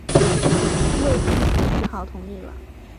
魏桓子只好同意了。